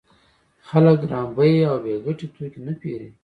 خلک ګران بیه او بې ګټې توکي نه پېري